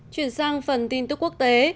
chuyển sang phần tin tức quốc tế